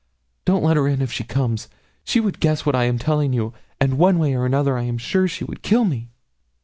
Don't let her in if she comes; she would guess what I am telling you, and one way or another I am sure she would kill me.'